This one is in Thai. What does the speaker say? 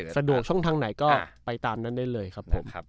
สะดวกช่องทางไหนก็ไปตามนั้นได้เลยครับผม